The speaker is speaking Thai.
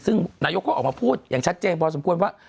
ซึ่งนายกก็ออกมาพูดอย่างชัดเจนพอสมควรว่า